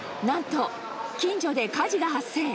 なんと、近所で火事が発生。